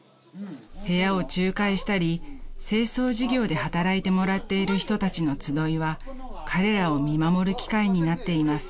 ［部屋を仲介したり清掃事業で働いてもらっている人たちの集いは彼らを見守る機会になっています］